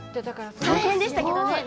大変でしたけどね。